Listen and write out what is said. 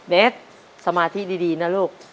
เบสสมาธิดีนะลูก